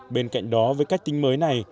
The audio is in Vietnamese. bên cạnh đó với cách tính mới này